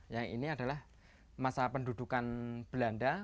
yang ini adalah masa pendudukan belanda